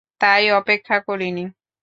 তাই অপেক্ষা করিনি।